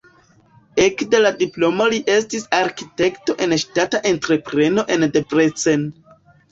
Ekde la diplomo li estis arkitekto en ŝtata entrepreno en Debrecen.